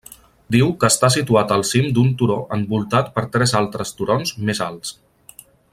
Diu que està situat al cim d'un turó envoltat per tres altres turons més alts.